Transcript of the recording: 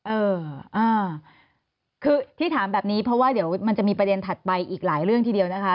เอออ่าคือที่ถามแบบนี้เพราะว่าเดี๋ยวมันจะมีประเด็นถัดไปอีกหลายเรื่องทีเดียวนะคะ